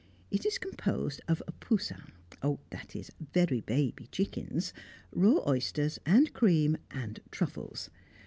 It is composed of poussins that is, very baby chickens raw oysters, and cream and truffles.